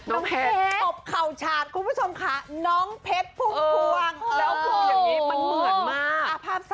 น้องเพชรปบเข่าชาติคุณผู้ชมค่ะน้องเพชรพุ่ง